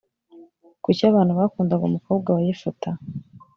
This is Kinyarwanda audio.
kuki abantu bakundaga umukobwa wa yefuta